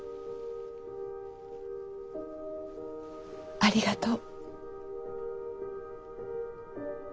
ありがとう。